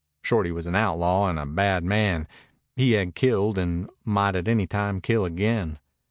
Shorty was an outlaw and a bad man. He had killed, and might at any time kill again.